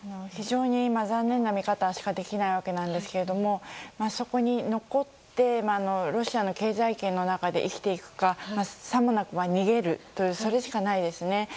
非常に残念な見方しかできないわけなんですけどそこに残ってロシアの経済圏の中で生きていくかさもなくば逃げるというそれしかないですね。